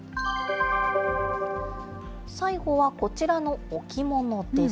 最後はこちらの置物です。